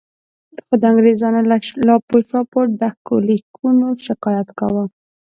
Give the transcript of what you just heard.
خو د انګریزانو له لاپو شاپو ډکو لیکونو شکایت کاوه.